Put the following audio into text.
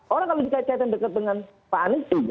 orang kalau dikait kaitkan dekat dengan pak anies itu